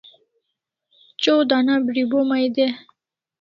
Chaw dana bribo mai de